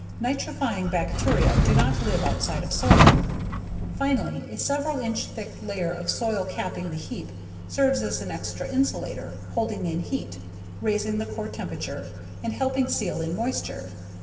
Nitrifying bacteria do not live outside of soil. Finally, a several inch thick layer of soil capping the heap serves as an extra insulator, holding in heat, raising the core temperature and helping seal in moisture.